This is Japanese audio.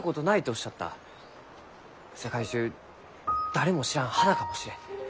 世界中誰も知らん花かもしれん。